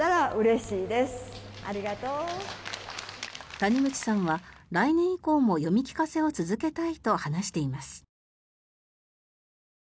谷口さんは来年以降も読み聞かせを続けたいと話しています。